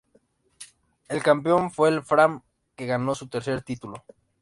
El campeón fue el Fram que ganó su tercer título.